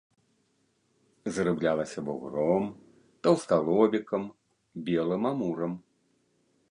Зарыблялася вугром, таўсталобікам, белым амурам.